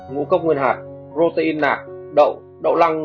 ngũ cốc nguyên hạt protein nạc đậu đậu lăng